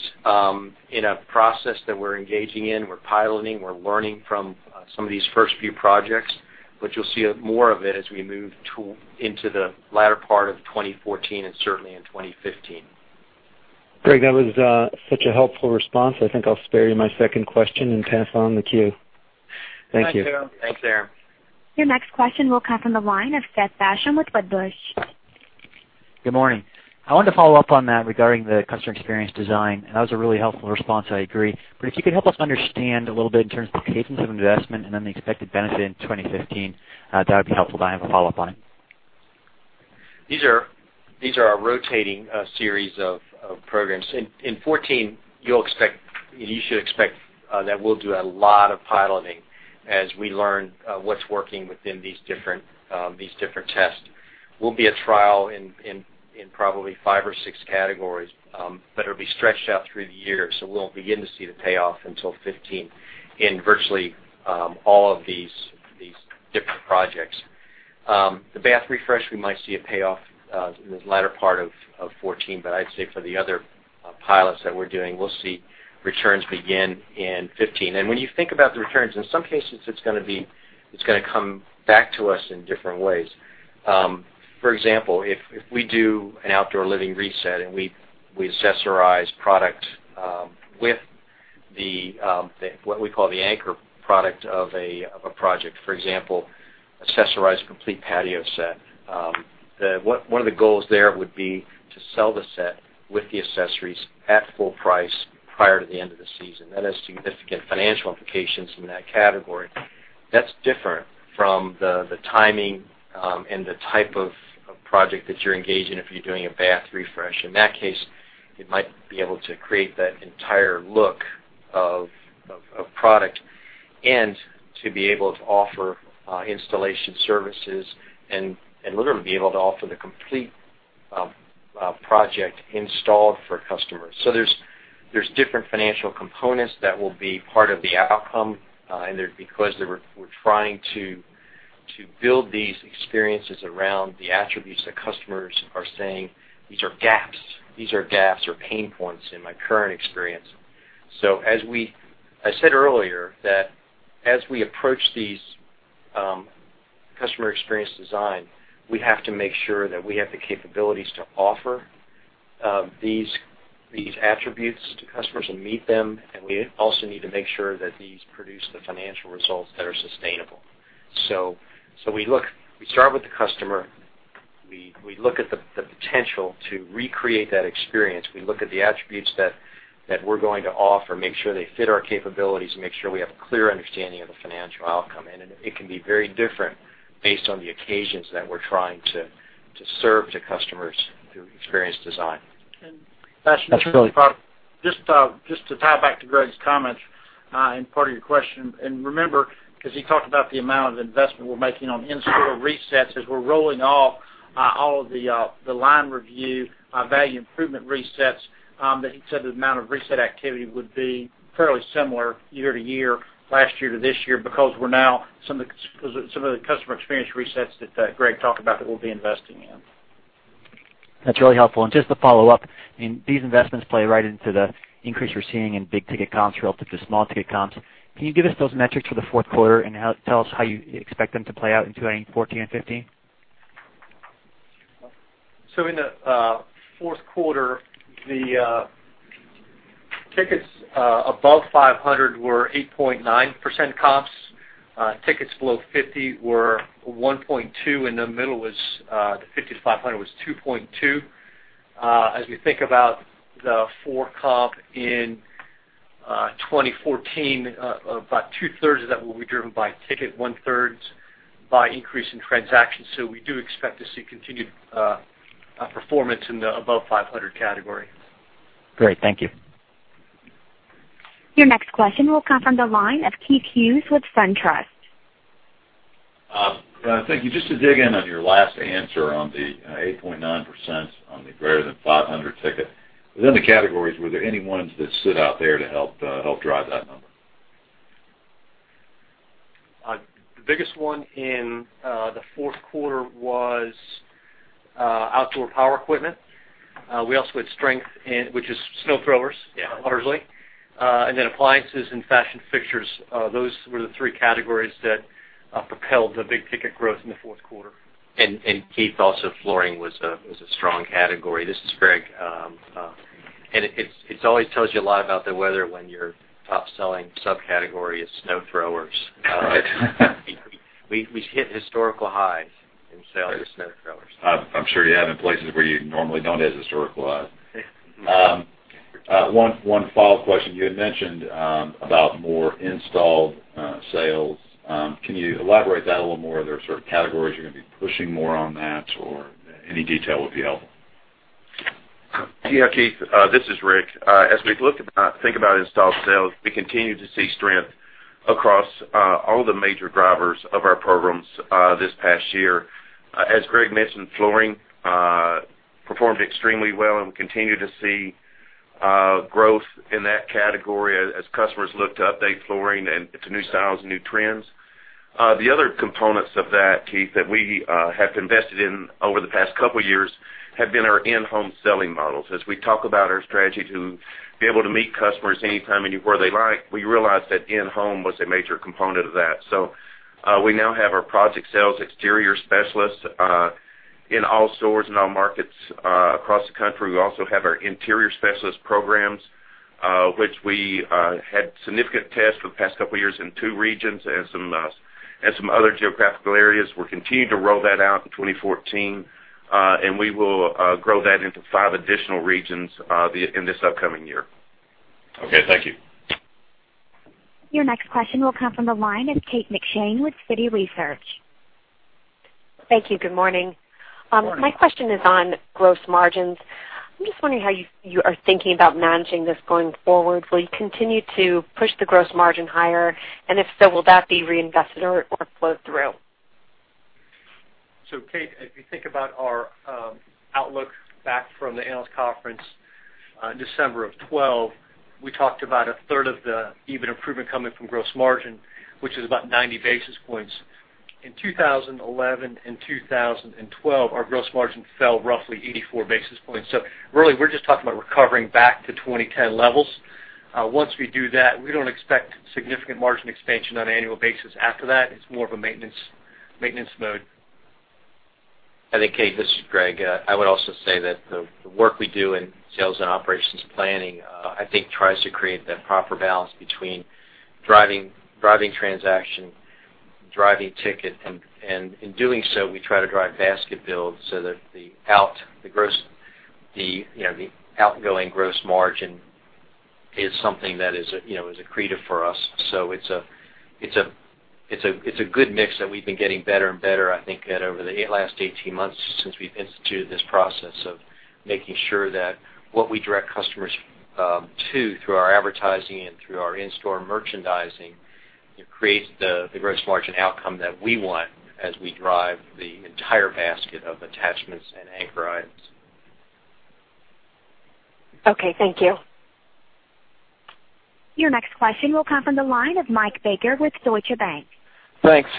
in a process that we're engaging in. We're piloting, we're learning from some of these first few projects, but you'll see more of it as we move into the latter part of 2014 and certainly in 2015. Greg, that was such a helpful response. I think I'll spare you my second question and pass on the queue. Thank you. Thanks, Aram. Your next question will come from the line of Seth Basham with Wedbush. Good morning. I wanted to follow up on that regarding the customer experience design, that was a really helpful response, I agree. If you could help us understand a little bit in terms of the cadence of investment and then the expected benefit in 2015, that would be helpful. I have a follow-up line. These are a rotating series of programs. In 2014, you should expect that we'll do a lot of piloting as we learn what's working within these different tests. We'll be a trial in probably five or six categories, it'll be stretched out through the year, so we won't begin to see the payoff until 2015 in virtually all of these different projects. The bath refresh, we might see a payoff in the latter part of 2014, I'd say for the other pilots that we're doing, we'll see returns begin in 2015. When you think about the returns, in some cases, it's going to come back to us in different ways. For example, if we do an outdoor living reset and we accessorize product with what we call the anchor product of a project. For example, accessorize a complete patio set. One of the goals there would be to sell the set with the accessories at full price prior to the end of the season. That has significant financial implications in that category. That's different from the timing and the type of project that you're engaged in if you're doing a bath refresh. In that case, it might be able to create that entire look of product and to be able to offer installation services and literally be able to offer the complete project installed for customers. There's different financial components that will be part of the outcome, because we're trying to build these experiences around the attributes that customers are saying, "These are gaps or pain points in my current experience." I said earlier that as we approach these customer experience design, we have to make sure that we have the capabilities to offer these attributes to customers and meet them. We also need to make sure that these produce the financial results that are sustainable. We start with the customer. We look at the potential to recreate that experience. We look at the attributes that we're going to offer, make sure they fit our capabilities, and make sure we have a clear understanding of the financial outcome. It can be very different based on the occasions that we're trying to serve to customers through experience design. Patrick- That's really- Just to tie back to Greg's comments, part of your question, remember, because he talked about the amount of investment we're making on in-store resets as we're rolling off all of the line review value improvement resets, that he said the amount of reset activity would be fairly similar year to year, last year to this year, because some of the customer experience resets that Greg talked about that we'll be investing in. That's really helpful. Just to follow up, these investments play right into the increase we're seeing in big-ticket comps relative to small-ticket comps. Can you give us those metrics for the fourth quarter and tell us how you expect them to play out in 2014 and 2015? In the fourth quarter, the tickets above 500 were 8.9% comps. Tickets below 50 were 1.2%, and the middle, the 50 to 500, was 2.2%. As we think about the 4% comp in 2014, about two-thirds of that will be driven by ticket, one-third by increase in transactions. We do expect to see continued performance in the above 500 category. Great. Thank you. Your next question will come from the line of Keith Hughes with SunTrust. Thank you. Just to dig in on your last answer on the 8.9% on the greater than 500 ticket. Within the categories, were there any ones that stood out there to help drive that number? The biggest one in the fourth quarter was outdoor power equipment. We also had strength, which is snow throwers, largely. Appliances and fashion fixtures, those were the three categories that propelled the big ticket growth in the fourth quarter. Keith, also, flooring was a strong category. This is Greg. It always tells you a lot about the weather when your top-selling subcategory is snow throwers. We hit historical highs in sales of snow throwers. I'm sure you have in places where you normally don't hit historical highs. One follow-up question. You had mentioned about more installed sales. Can you elaborate that a little more? Are there certain categories you're going to be pushing more on that or any detail would be helpful. Keith, this is Rick. As we think about installed sales, we continue to see strength across all the major drivers of our programs this past year. As Greg mentioned, flooring performed extremely well, and we continue to see growth in that category as customers look to update flooring and to new styles and new trends. The other components of that, Keith, that we have invested in over the past couple of years have been our in-home selling models. As we talk about our strategy to be able to meet customers anytime and where they like, we realized that in-home was a major component of that. We now have our project sales exterior specialists in all stores, in all markets across the country. We also have our interior specialist programs, which we had significant tests for the past couple of years in two regions and some other geographical areas. We're continuing to roll that out in 2014. We will grow that into five additional regions in this upcoming year. Okay. Thank you. Your next question will come from the line of Kate McShane with Citi Research. Thank you. Good morning. Good morning. My question is on gross margins. I'm just wondering how you are thinking about managing this going forward. Will you continue to push the gross margin higher? If so, will that be reinvested or flow through? Kate, if you think about our outlook back from the analyst conference in December of 2012, we talked about a third of the EBITDA improvement coming from gross margin, which is about 90 basis points. In 2011 and 2012, our gross margin fell roughly 84 basis points. Really, we're just talking about recovering back to 2010 levels. Once we do that, we don't expect significant margin expansion on an annual basis after that. It's more of a maintenance mode. I think, Kate, this is Greg. I would also say that the work we do in sales and operations planning, I think, tries to create that proper balance between driving transaction, driving ticket, and in doing so, we try to drive basket build so that the outgoing gross margin is something that is accretive for us. It's a good mix that we've been getting better and better, I think, at over the last 18 months since we've instituted this process of Making sure that what we direct customers to through our advertising and through our in-store merchandising creates the gross margin outcome that we want as we drive the entire basket of attachments and anchor items. Okay, thank you. Your next question will come from the line of Mike Baker with Deutsche Bank. Thanks.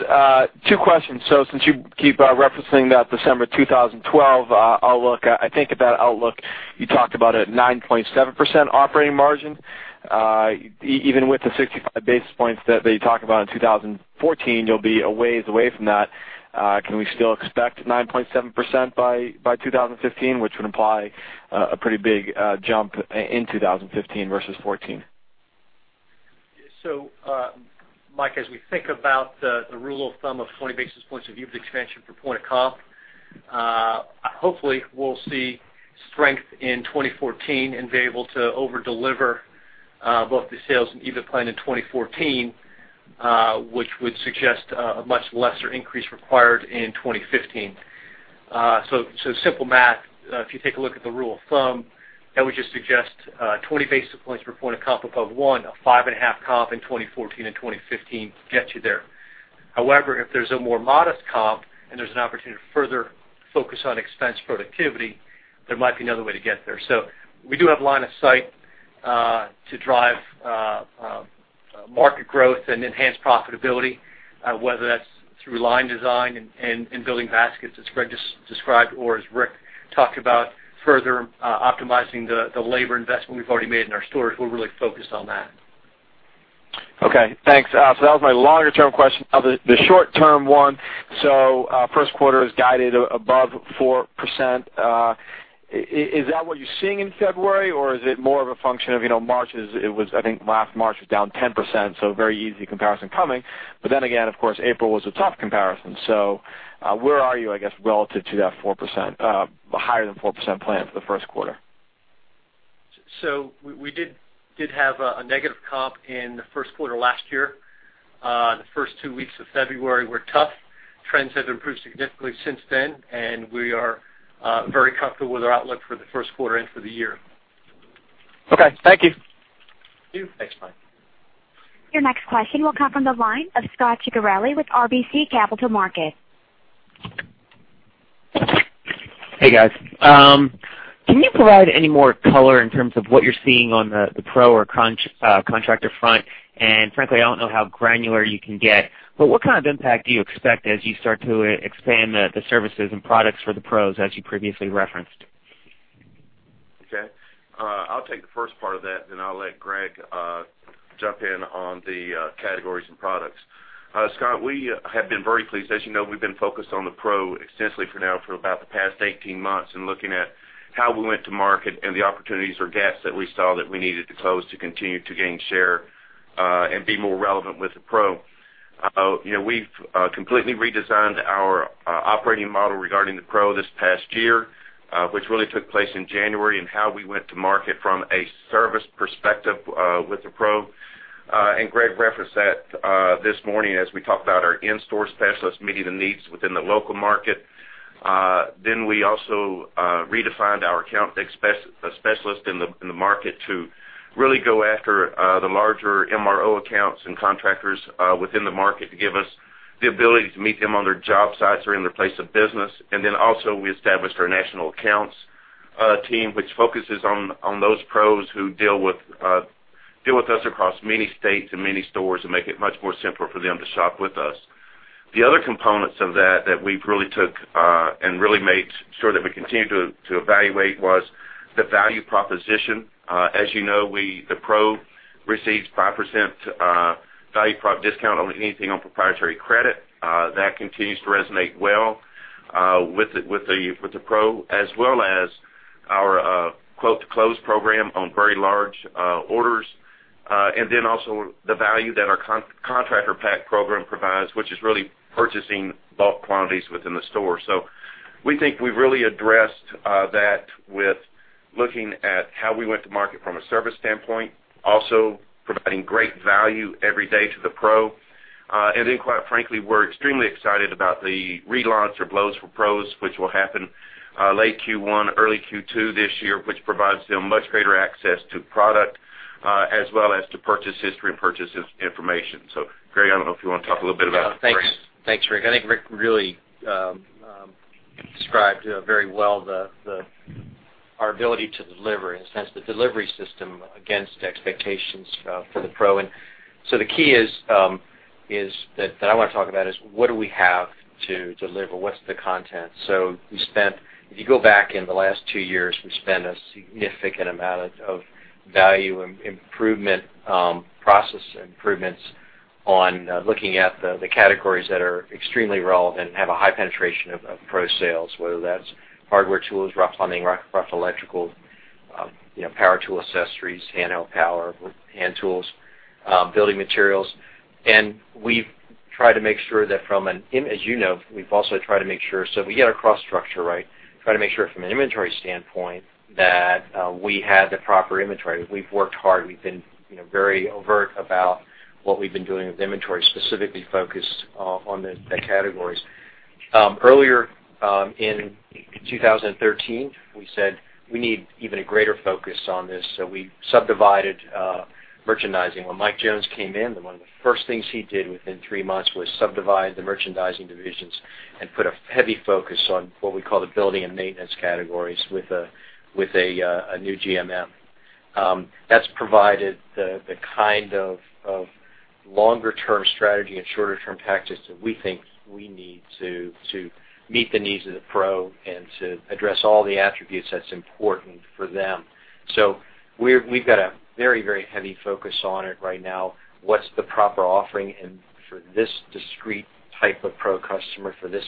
Two questions. Since you keep referencing that December 2012 outlook, I think at that outlook, you talked about a 9.7% operating margin. Even with the 65 basis points that you talk about in 2014, you'll be a ways away from that. Can we still expect 9.7% by 2015, which would imply a pretty big jump in 2015 versus 2014? Mike, as we think about the rule of thumb of 20 basis points of unit expansion for point of comp, hopefully, we'll see strength in 2014 and be able to over-deliver both the sales and EBIT plan in 2014, which would suggest a much lesser increase required in 2015. Simple math, if you take a look at the rule of thumb, that would just suggest 20 basis points per point of comp above one, a five and a half comp in 2014 and 2015 gets you there. However, if there's a more modest comp and there's an opportunity to further focus on expense productivity, there might be another way to get there. We do have line of sight to drive market growth and enhance profitability, whether that's through line design and building baskets, as Greg described, or as Rick talked about, further optimizing the labor investment we've already made in our stores. We're really focused on that. Okay, thanks. That was my longer-term question. Now the short-term one. First quarter is guided above 4%. Is that what you're seeing in February, or is it more of a function of March it was, I think, last March was down 10%, very easy comparison coming. Again, of course, April was a tough comparison. Where are you, I guess, relative to that higher than 4% plan for the first quarter? We did have a negative comp in the first quarter last year. The first two weeks of February were tough. Trends have improved significantly since then, and we are very comfortable with our outlook for the first quarter and for the year. Okay, thank you. Thank you. Your next question will come from the line of Scot Ciccarelli with RBC Capital Markets. Hey, guys. Can you provide any more color in terms of what you're seeing on the pro or contractor front? Frankly, I don't know how granular you can get, but what kind of impact do you expect as you start to expand the services and products for the pros, as you previously referenced? Okay. I'll take the first part of that, then I'll let Greg jump in on the categories and products. Scot, we have been very pleased. As you know, we've been focused on the pro extensively for now for about the past 18 months and looking at how we went to market and the opportunities or gaps that we saw that we needed to close to continue to gain share and be more relevant with the pro. We've completely redesigned our operating model regarding the pro this past year, which really took place in January, and how we went to market from a service perspective with the pro. Greg referenced that this morning as we talked about our in-store specialists meeting the needs within the local market. We also redefined our account-based specialists in the market to really go after the larger MRO accounts and contractors within the market to give us the ability to meet them on their job sites or in their place of business. Also, we established our national accounts team, which focuses on those pros who deal with us across many states and many stores and make it much more simpler for them to shop with us. The other components of that we've really took and really made sure that we continue to evaluate was the value proposition. As you know, the pro receives 5% value discount on anything on proprietary credit. That continues to resonate well with the pro, as well as our quote-to-close program on very large orders. Also the value that our Contractor Pack program provides, which is really purchasing bulk quantities within the store. We think we've really addressed that with looking at how we went to market from a service standpoint, also providing great value every day to the pro. Quite frankly, we're extremely excited about the relaunch of Lowe's for Pros, which will happen late Q1, early Q2 this year, which provides them much greater access to product as well as to purchase history and purchase information. Greg, I don't know if you want to talk a little bit about that for us. Thanks, Rick. I think Rick really described very well our ability to deliver, in a sense, the delivery system against expectations for the pro. The key that I want to talk about is what do we have to deliver? What's the content? If you go back in the last two years, we spent a significant amount of value improvement, process improvements on looking at the categories that are extremely relevant and have a high penetration of pro sales, whether that's hardware tools, rough plumbing, rough electrical, power tool accessories, handheld power, hand tools, building materials. We've tried to make sure that as you know, we've also tried to make sure, so we get our cost structure right, try to make sure from an inventory standpoint that we had the proper inventory. We've worked hard. We've been very overt about what we've been doing with inventory, specifically focused on the categories. Earlier in 2013, we said we need even a greater focus on this. We subdivided merchandising. When Mike Jones came in, one of the first things he did within three months was subdivide the merchandising divisions and put a heavy focus on what we call the building and maintenance categories with a new GMM. That's provided the kind of longer-term strategy and shorter-term tactics that we think we need to meet the needs of the pro and to address all the attributes that's important for them. We've got a very heavy focus on it right now. What's the proper offering and for this discrete type of pro customer for this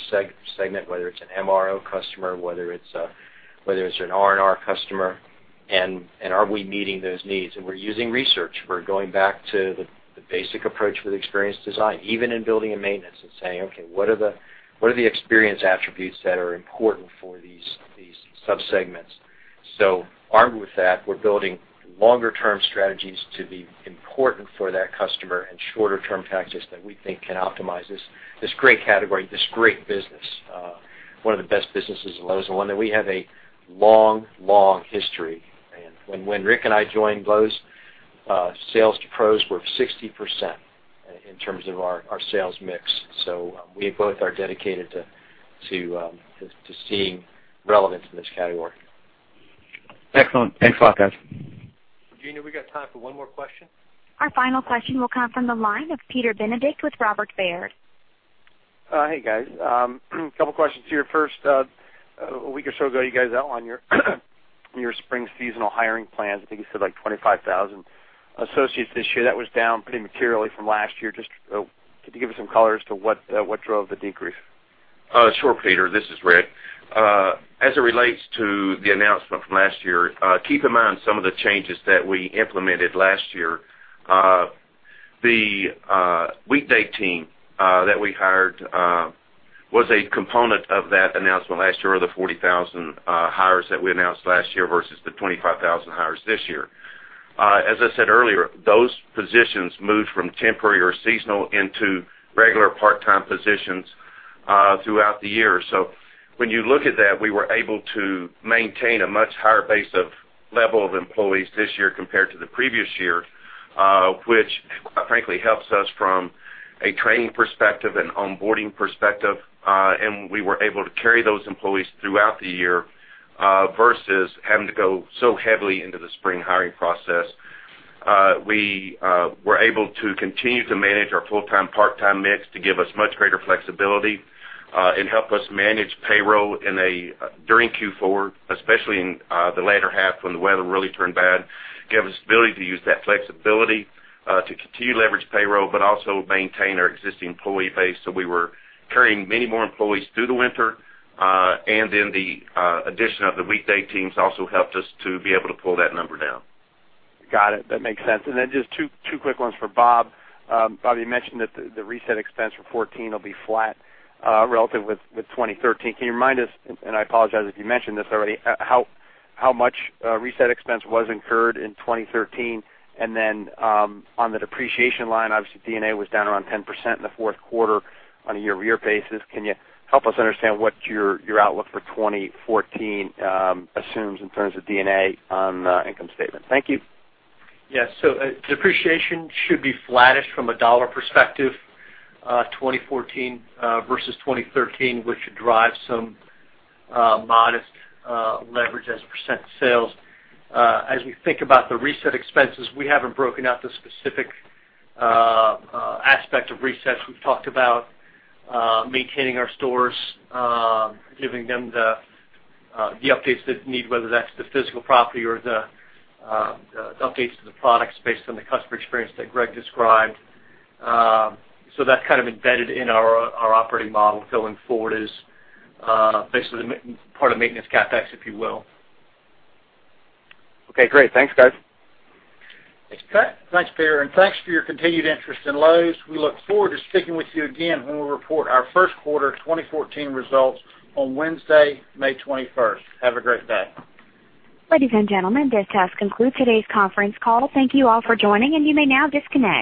segment, whether it's an MRO customer, whether it's an R&R customer, and are we meeting those needs? We're using research. We're going back to the basic approach with experience design, even in building and maintenance and saying, "Okay, what are the experience attributes that are important for these sub-segments?" Armed with that, we're building longer-term strategies to be important for that customer and shorter-term tactics that we think can optimize this great category, this great business. One of the best businesses at Lowe's, and one that we have a long history. When Rick and I joined Lowe's, sales to pros were 60% in terms of our sales mix. We both are dedicated to seeing relevance in this category. Excellent. Thanks a lot, guys. Virginia, we got time for one more question. Our final question will come from the line of Peter Benedict with Robert W. Baird. Hey, guys. A couple questions here. First, a week or so ago, you guys outlined your spring seasonal hiring plans. I think you said like 25,000 associates this year. That was down pretty materially from last year. Just could you give us some color as to what drove the decrease? Sure, Peter, this is Rick. As it relates to the announcement from last year, keep in mind some of the changes that we implemented last year. The weekday team that we hired was a component of that announcement last year of the 40,000 hires that we announced last year versus the 25,000 hires this year. As I said earlier, those positions moved from temporary or seasonal into regular part-time positions throughout the year. When you look at that, we were able to maintain a much higher base of level of employees this year compared to the previous year, which frankly helps us from a training perspective and onboarding perspective. We were able to carry those employees throughout the year, versus having to go so heavily into the spring hiring process. We were able to continue to manage our full-time, part-time mix to give us much greater flexibility, and help us manage payroll during Q4, especially in the latter half when the weather really turned bad. Gave us ability to use that flexibility to continue to leverage payroll, but also maintain our existing employee base. We were carrying many more employees through the winter, and then the addition of the weekday teams also helped us to be able to pull that number down. Got it. That makes sense. Then just two quick ones for Bob. Bob, you mentioned that the reset expense for 2014 will be flat, relative with 2013. Can you remind us, and I apologize if you mentioned this already, how much reset expense was incurred in 2013? Then, on the depreciation line, obviously D&A was down around 10% in the fourth quarter on a year-over-year basis. Can you help us understand what your outlook for 2014 assumes in terms of D&A on the income statement? Thank you. Yes. Depreciation should be flattish from a dollar perspective, 2014 versus 2013, which should drive some modest leverage as a % of sales. As we think about the reset expenses, we haven't broken out the specific aspect of resets. We've talked about maintaining our stores, giving them the updates they need, whether that's the physical property or the updates to the products based on the customer experience that Greg described. That kind of embedded in our operating model going forward is basically part of maintenance CapEx, if you will. Okay, great. Thanks, guys. Thanks, Peter, and thanks for your continued interest in Lowe's. We look forward to speaking with you again when we report our first quarter 2014 results on Wednesday, May 21st. Have a great day. Ladies and gentlemen, this does conclude today's conference call. Thank you all for joining, and you may now disconnect.